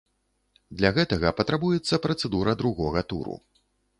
Для гэта патрабуецца працэдура другога туру.